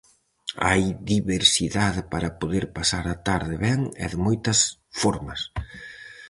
Hai diversidade para poder pasar a tarde ben e de moitas formas.